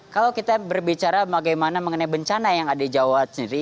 kalau kita berbicara bagaimana mengenai bencana yang ada di jawa sendiri